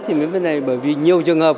thì mới như thế này bởi vì nhiều trường hợp